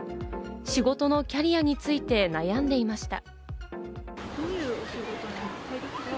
仕事のキャリアについて悩んでいました。